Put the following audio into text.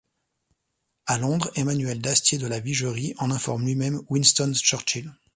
À Londres, Emmanuel d'Astier de La Vigerie en informe lui-même Winston Churchill.